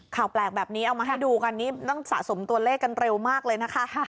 ข่าวแปลกแบบนี้เอามาให้ดูกันนี่ต้องสะสมตัวเลขกันเร็วมากเลยนะคะ